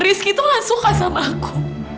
rizky itu gak suka sama aku